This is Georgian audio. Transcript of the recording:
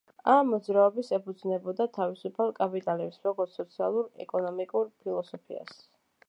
ამ მოძრაობის ეფუძნებოდა თავისუფალ კაპიტალიზმს, როგორც სოციალურ და ეკონომიკურ ფილოსოფიას.